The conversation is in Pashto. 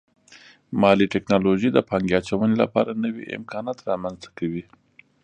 مالي ټکنالوژي د پانګې اچونې لپاره نوي امکانات رامنځته کوي.